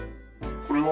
これは。